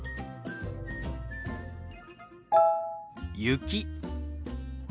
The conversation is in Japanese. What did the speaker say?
雪。